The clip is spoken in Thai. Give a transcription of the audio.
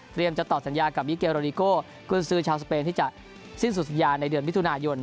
เตรียมจะตอบสัญญากับวิเกลโรนิโกคุณศึชาติสเปนที่จะสิ้นสุดสัญญาในเดือนมิถุนายน